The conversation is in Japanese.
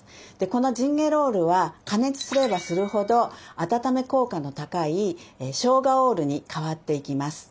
このジンゲロールは加熱すればするほど温め効果の高いショウガオールに変わっていきます。